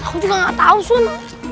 aku juga gak tau sun